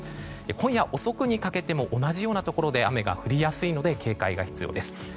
今夜遅くにかけても同じようなところで雨が降りやすいので警戒が必要です。